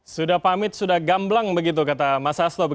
sudah pamit sudah gamblang begitu kata mas hasto